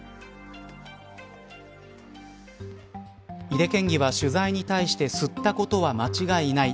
井手県議は取材に対して吸ったことは間違いない。